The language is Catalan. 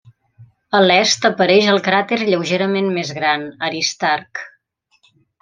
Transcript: A l'est apareix el cràter lleugerament més gran Aristarc.